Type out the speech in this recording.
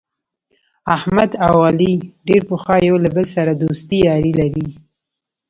احمد او علي ډېر پخوا یو له بل سره دوستي یاري لري.